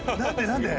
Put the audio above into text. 何で？